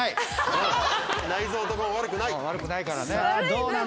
うん悪くないからね。